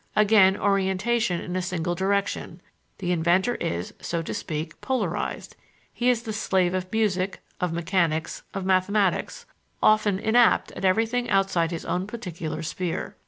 Again, orientation in a single direction: the inventor is, so to speak, polarized; he is the slave of music, of mechanics, of mathematics; often inapt at everything outside his own particular sphere.